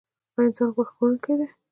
ایا انسان غوښه خوړونکی دی؟